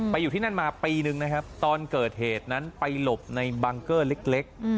อยู่ที่นั่นมาปีนึงนะครับตอนเกิดเหตุนั้นไปหลบในบังเกอร์เล็ก